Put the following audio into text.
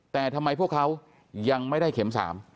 แต่ทำไมพวกเขายังไม่ได้เข็ม๓